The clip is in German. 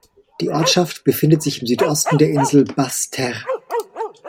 Die Ortschaft befindet sich im Südosten der Insel Basse-Terre.